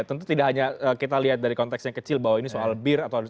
tentu tidak hanya kita lihat dari konteksnya kecil bahwa ini soal apa